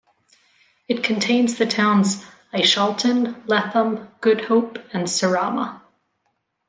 It contains the towns Aishalton, Lethem, Good Hope and Surama.